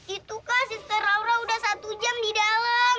itu kak sister laura udah satu jam di dalam